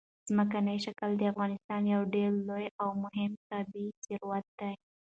ځمکنی شکل د افغانستان یو ډېر لوی او مهم طبعي ثروت دی.